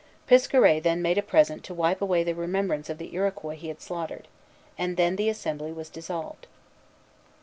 Piskaret then made a present to wipe away the remembrance of the Iroquois he had slaughtered, and the assembly was dissolved.